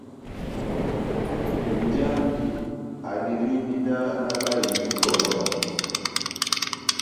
Nja wami adelindi náh nabáhe ndito wa bába.